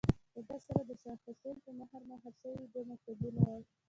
له ده سره د شاه حسين په مهر، مهر شوي دوه مکتوبونه ول.